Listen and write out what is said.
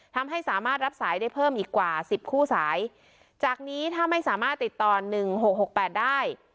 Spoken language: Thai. ทำให้สามารถรับสายได้เพิ่มอีกกว่าสิบคู่สายจากนี้ถ้าไม่สามารถติดต่อหนึ่งหกหกแปดได้